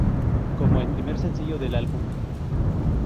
Como el primer sencillo del álbum.